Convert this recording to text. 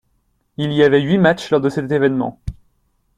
Il y avait huit matches lors de cet évènement.